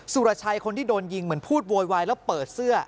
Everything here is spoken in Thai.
สุรชัยคนที่โดนยิงเหมือนพูดโวยวายแล้วเปิดเสื้อ